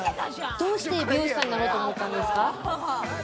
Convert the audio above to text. どうして美容師さんになろうと思ったんですか？